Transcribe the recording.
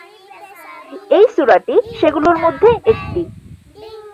এই সূরাটি সেগুলোর মধ্যে একটি।